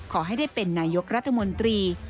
ขอให้ได้เป็นนายกรัฐมนตรี